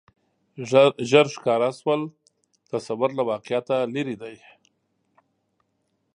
ژر ښکاره شول تصور له واقعیته لرې دی